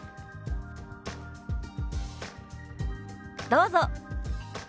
どうぞ。